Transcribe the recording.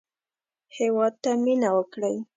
هېواد ته مېنه وکړئ